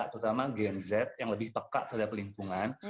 terutama gen z yang lebih pekat terhadap lingkungan